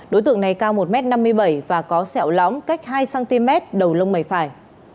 đối tượng này cao một m năm mươi bảy và có sẹo lóng cách hai cm đầu lông mày phải